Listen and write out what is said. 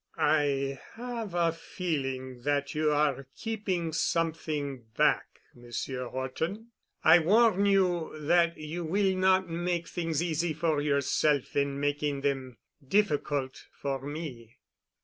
"I have a feeling that you are keeping something back, Monsieur Horton. I warn you that you will not make things easy for yourself in making them difficult for me."